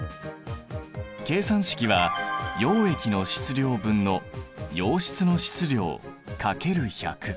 計算式は溶液の質量分の溶質の質量×１００。